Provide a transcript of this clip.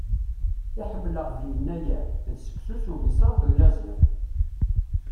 I ḥemmleɣ deg Yennayer, d seksu s ubisaṛ d uyaziḍ.